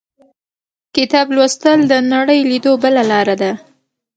• کتاب لوستل، د نړۍ لیدو بله لاره ده.